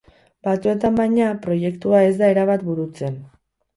Batzuetan, baina, proiektua ez da erabat burutzen.